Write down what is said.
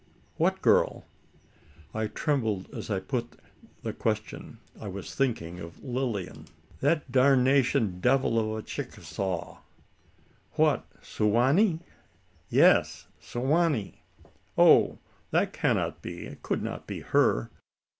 "What girl?" I trembled, as I put the question: I was thinking of Lilian. "That darnationed devil of a Chicasaw." "What! Su wa nee?" "Yes Su wa nee." "Oh that cannot be? It could not be her?"